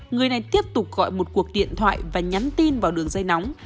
người này tiếp tục gọi một cuộc điện thoại và nhắn tin vào đường dây nóng